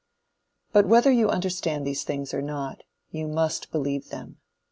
But whether you understand these things or not, you must believe them.